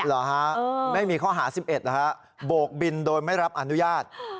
เหรอฮะไม่มีข้อหา๑๑เหรอฮะโบกบินโดยไม่รับอนุญาต